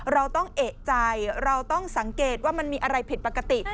เราต้องเอกใจเราต้องสังเกตว่ามันมีอะไรผิดปกติ